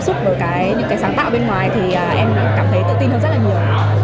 hiện nay có những cái công nghiệp những cái thiết kế bên ngoài thì em cảm thấy tự tin hơn rất là nhiều